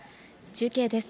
中継です。